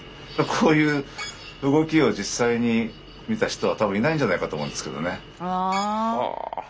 こういう動きを実際に見た人は多分いないんじゃないかと思うんですけどね。